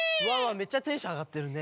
めっちゃテンションあがってるね。